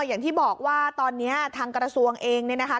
อย่างที่บอกว่าตอนนี้ทางกระทรวงเองเนี่ยนะคะ